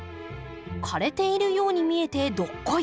枯れているように見えてどっこい